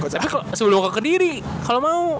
tapi sebelum kekediri kalo mau